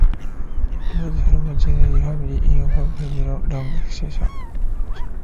He was from a gentry family in Upholland, Lancashire.